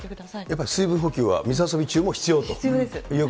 やっぱり水分補給は、水遊び必要です。